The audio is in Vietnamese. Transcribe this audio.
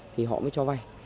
thì họ mới cho vay